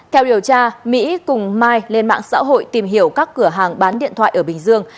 theo điều tra mỹ cùng mai lên mạng xã hội tìm hiểu các cửa hàng bán điện thoại ở bình dương